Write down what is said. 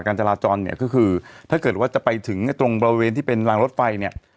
จราจรเนี่ยก็คือถ้าเกิดว่าจะไปถึงตรงบริเวณที่เป็นรางรถไฟเนี่ย